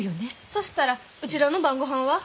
そしたらうちらの晩ごはんは？